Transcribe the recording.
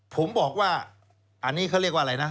ผมบอกว่าอันนี้เขาเรียกว่าอะไรนะ